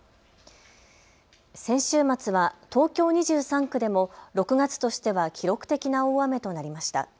先週末は東京２３区でも６月としては記録的な大雨となりました。